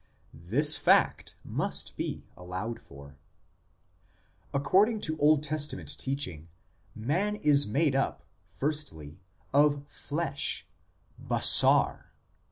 This fact must be allowed for. According to Old Testament teaching man is made up, firstly, of flesh (basar).